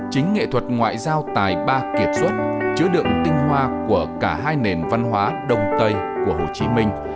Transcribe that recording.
chính nghệ thuật ngoại giao tài ba kiệt xuất chứa đựng tinh hoa của cả hai nền văn hóa đông tây của hồ chí minh